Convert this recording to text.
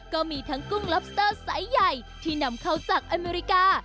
ก็มีทั้งกุ้งล็อบสเตอร์ไซส์ใหญ่ที่นำเข้าจากอเมริกา